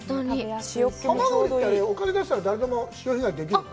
ハマグリって、お金出したら、誰でも潮干狩りできるの？